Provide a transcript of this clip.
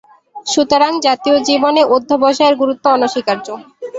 সুতরাং জাতীয় জীবনে অধ্যবসায়ের গুরুত্ব অনস্বীকার্য।